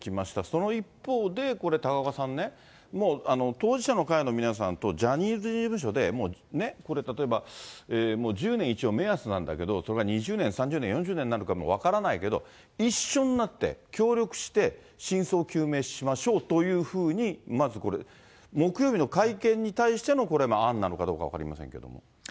その一方で、これ高岡さんね、もう当事者の会の皆さんと、ジャニーズ事務所で、これ例えば、１０年、一応目安なんだけど、それが２０年、３０年、４０年になるかも分からないけど、一緒になって、協力して、真相究明しましょうというふうに、まずこれ、木曜日の会見に対しての案なのかどうか分かりませんけれども。